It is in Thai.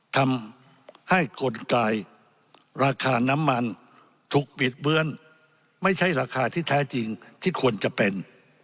ทำให้กลไกราคาน้ำมันถูกปิดเบื้อนไม่ใช่ราคาที่แท้จริงที่ควรจะเป็น